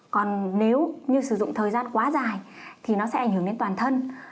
còn nếu như sử dụng thời gian quá dài thì nó sẽ ảnh hưởng đến toàn thân